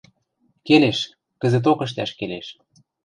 — Келеш, кӹзӹток ӹштӓш келеш.